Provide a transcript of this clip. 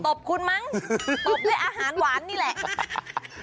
บคุณมั้งตบด้วยอาหารหวานนี่แหละ